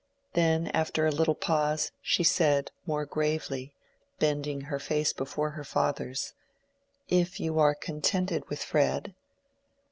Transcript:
Then, after a little pause, she said, more gravely, bending her face before her father's, "If you are contented with Fred?"